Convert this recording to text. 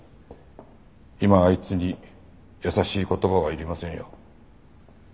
今あいつに優しい言葉はいりませんよ。